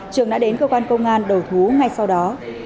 trường đã đến cơ quan công an đầu thú ngay sau đó